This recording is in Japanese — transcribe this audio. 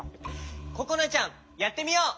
ここなちゃんやってみよう！